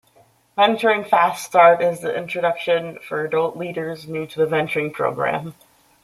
Venturing Fast Start is the introduction for adult leaders new to the Venturing program.